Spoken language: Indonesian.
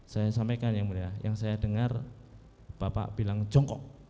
saya sampaikan yang mulia yang saya dengar bapak bilang jongkok